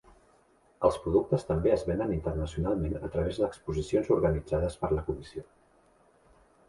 Els productes també es venen internacionalment a través d'exposicions organitzades per la comissió.